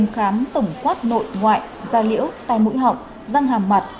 khám tổng quát nội ngoại da liễu tai mũi họng răng hàm mặt